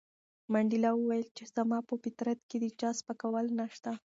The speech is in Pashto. منډېلا وویل چې زما په فطرت کې د چا سپکول نشته.